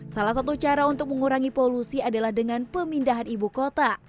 salah satu cara untuk mengurangi polusi adalah dengan pemindahan ibu kota